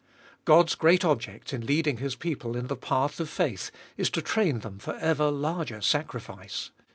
God's great object in leading His people in the path of faith is to train them for ever larger sacrifice.